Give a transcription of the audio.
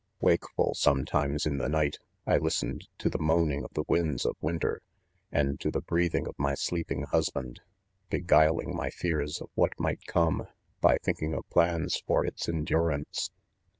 Wakeful, sometimes, in the night, I listened to the moaning of the winds of winter, and to the breathing of my sleeping husband ; begui ling my fears of what might come, by think ing of plans for its endurance.